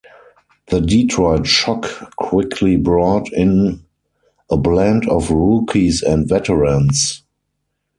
The Detroit Shock quickly brought in a blend of rookies and veterans.